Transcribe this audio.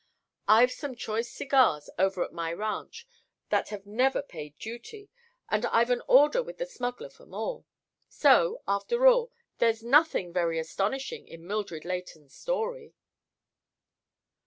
I've some choice cigars over at my ranch that have never paid duty, and I've an order with the smuggler for more. So, after all, there's nothing very astonishing in Mildred Leighton's story."